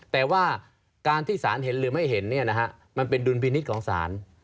แต่ว่าการที่สารเห็นหรือไม่เห็นมันเป็นดุลพินิษฐ์ของศาล